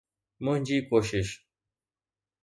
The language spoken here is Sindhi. منهنجي ڪوشش